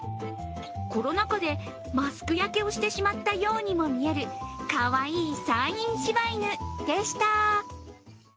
コロナ禍でマスク焼けをしてしまったようにも見えるかわいい山陰柴犬でした。